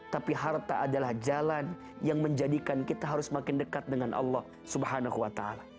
tapi harta adalah jalan yang menjadikan kita harus semakin dekat dengan allah swt